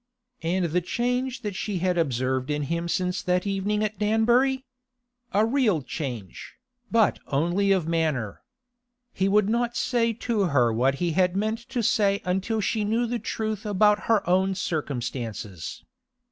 And the change that she had observed in him since that evening at Danbury? A real change, but only of manner. He would not say to her what he had meant to say until she knew the truth about her own circumstances.